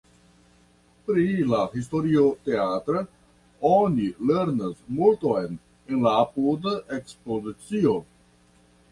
Pri la historio teatra oni lernas multon en la apuda ekspozicio.